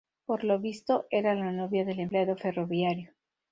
Por lo visto, era la novia del empleado ferroviario.